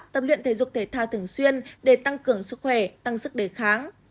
tập luyện thể dục thể thao thường xuyên để tăng cường sức khỏe tăng sức đề kháng